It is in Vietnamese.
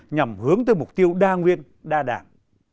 nhằm hướng tới mục tiêu đa nguyên đa đảng